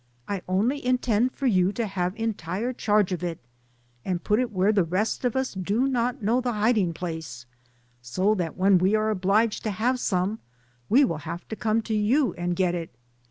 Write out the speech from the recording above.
I only in tend for you to have entire charge of it, and put it where the rest of us do not know the hiding place, so that when we are obliged to have some, we will have to come to you to get it.